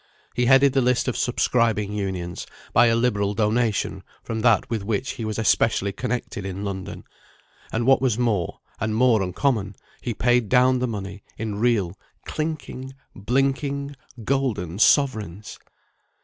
He headed the list of subscribing Unions, by a liberal donation from that with which he was especially connected in London; and what was more, and more uncommon, he paid down the money in real, clinking, blinking, golden sovereigns!